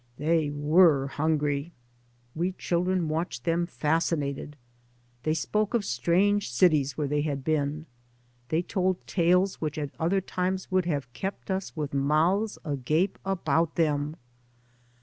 They were hungry I We children watched them fascinated. They spoke of strange cities where they had been. They told talcs which at other times would have kept us with mouths agape about them.